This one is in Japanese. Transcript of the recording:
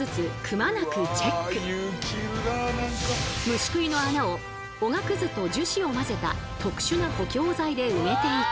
虫食いの穴をおがくずと樹脂を混ぜた特殊な補強材で埋めていき。